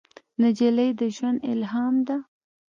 نجلۍ د ژوند الهام ده.